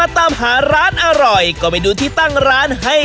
ด้านด้านคุณหน้า